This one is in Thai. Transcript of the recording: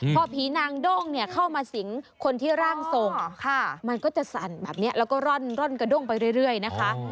พอผีนางด้งเข้ามาสิงคนที่ร่างทรงมันก็จะสั่นแบบนี้แล้วก็ร่อนกระด้งไปเรื่อยนะคะ